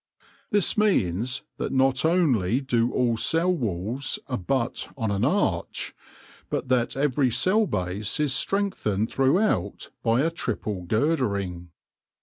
This means that not only do all cell walls abut on an arch, but that every cell base is strength ened throughout by a triple girdering.